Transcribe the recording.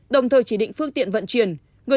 đồng thời chỉ định phương tiện vận chuyển